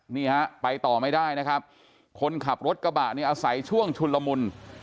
นี่ฮะไปต่อไม่ได้นะครับคนขับรถกระบะเนี่ยอาศัยช่วงชุนละมุน